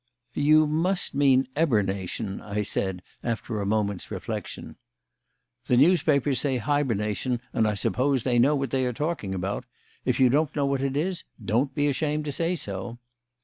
"You must mean 'eburnation,'" I said, after a moment's reflection. "The newspapers say 'hibernation,' and I suppose they know what they are talking about. If you don't know what it is, don't be ashamed to say so."